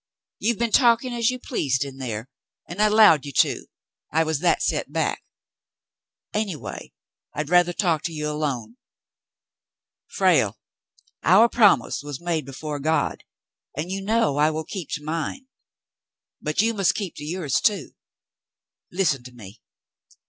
You've been talking as you pleased in there, and I 'lowed you to, I was that set back. Anyway, I'd rather 160 The Mountain Girl talk to you alone. Frale, our promise was made before God, and you know I will keep to mine. But you must keep to yours, too. Listen at me.